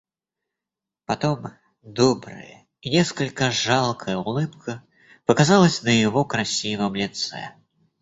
Потом добрая и несколько жалкая улыбка показалась на его красивом лице.